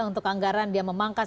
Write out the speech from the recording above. untuk anggaran dia memangkas